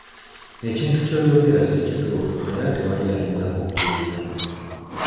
Ekintu ky'oyogera si kituufu era tewali ayinza kukkiriza.